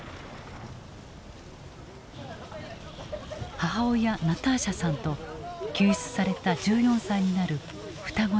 母親ナターシャさんと救出された１４歳になる双子の姉妹。